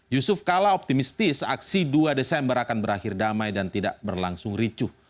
yusuf kala optimistis aksi dua desember akan berakhir damai dan tidak berlangsung ricuh